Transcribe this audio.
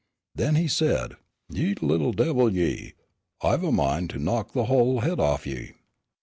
Then he said, "Ye little devil, ye, I've a mind to knock the whole head off o' ye.